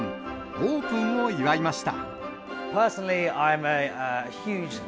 オープンを祝いました。